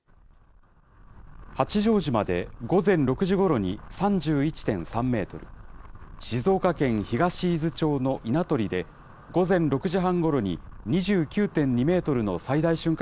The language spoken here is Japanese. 八丈島で午前６時ごろに３１．３メートル、静岡県東伊豆町の稲取で午前６時半ごろに２９．２メートルの最大瞬間